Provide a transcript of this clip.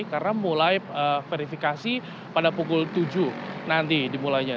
karena mulai verifikasi pada pukul tujuh nanti dimulainya